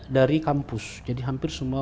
dari kampus jadi hampir semua